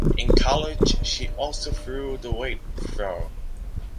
In college she also threw the weight throw.